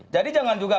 jadi jangan juga